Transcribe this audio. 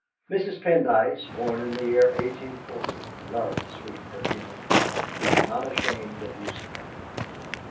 Mrs. Pendyce, born in the year 1840, loved sweet perfumes, and was not ashamed of using them.